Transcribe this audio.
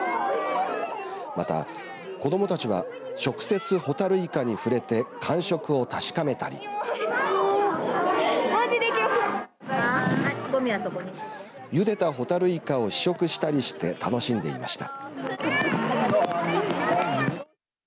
また子どもたちは直接ほたるいかに触れて感触を確かめたりゆでたほたるいかを試食したりして楽しんでいました。